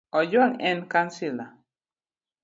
Ojwang en kansila.